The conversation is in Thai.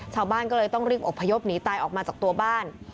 ชาวบ้านก็เลยต้องรีบอบพยพหนีตายออกมาจากตัวบ้าน